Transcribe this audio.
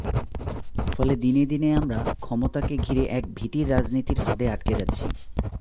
ফলে দিনে দিনে আমরা ক্ষমতাকে ঘিরে এক ভীতির রাজনীতির ফাঁদে আটকে যাচ্ছি।